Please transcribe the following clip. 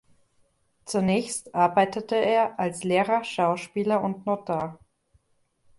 Zunächst arbeitete er als Lehrer, Schauspieler und Notar.